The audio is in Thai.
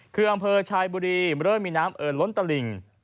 คืออำเภอชายบุรีเริ่มมีน้ำเอิญล้นตะหลิ่ง